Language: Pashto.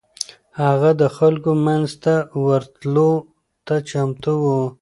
هغه د خلکو منځ ته ورتلو ته چمتو و.